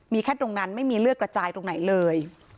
มีแค่ตรงนั้นไม่มีเลือดกระจายตรงไหนเลย